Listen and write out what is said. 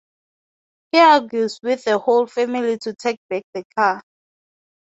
He argues with the whole family to take back the car.